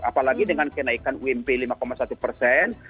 apalagi dengan kenaikan ump lima satu persen